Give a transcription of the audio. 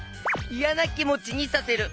いやなきもちにさせる！